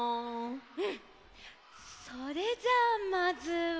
うんそれじゃあまずは。